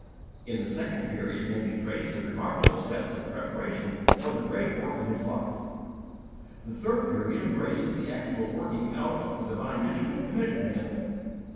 In the second period may be traced the remarkable steps of preparation for the great work of his life. The third period embraces the actual working out of the divine mission committed to him.